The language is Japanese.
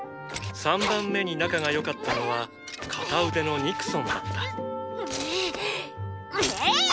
３番目に仲が良かったのは片腕のニクソンだったんん！